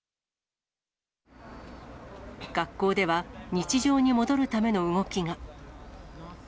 学校では、日常に戻るための動きが。